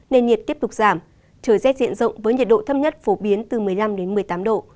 nền nhiệt tiếp tục giảm trời rét diện rộng với nhiệt độ thấp nhất phổ biến từ một mươi năm đến một mươi tám độ